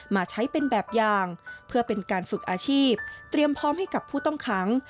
มาใช้เป็นแบบอย่างเพื่อเป็นการฝึกอาชีพเตรียมพร้อมให้กับผู้ต้องขัง